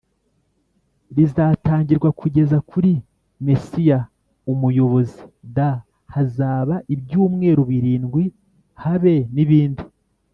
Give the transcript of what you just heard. Rizatangirwa kugeza kuri mesiyac umuyobozi d hazaba ibyumweru birindwi habe n ibindi